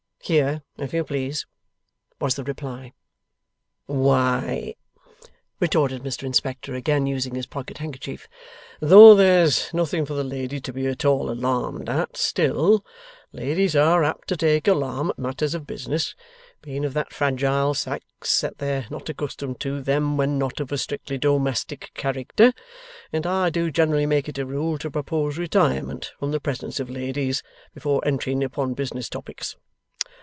Here, if you please,' was the reply. 'Why,' retorted Mr Inspector, again using his pocket handkerchief, 'though there's nothing for the lady to be at all alarmed at, still, ladies are apt to take alarm at matters of business being of that fragile sex that they're not accustomed to them when not of a strictly domestic character and I do generally make it a rule to propose retirement from the presence of ladies, before entering upon business topics.